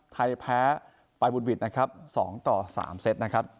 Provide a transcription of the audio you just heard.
ไทยแพ้ไปบุดหวิดนะครับ๒ต่อ๓เซตนะครับ